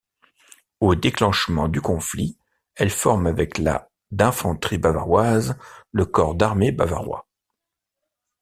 Au déclenchement du conflit, elle forme avec la d'infanterie bavaroise le corps d'armée bavarois.